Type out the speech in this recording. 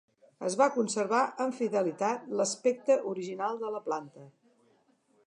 Es va conservar amb fidelitat l'aspecte original de la planta.